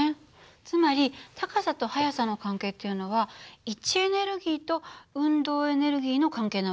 つまり高さと速さの関係っていうのは位置エネルギーと運動エネルギーの関係な訳ね。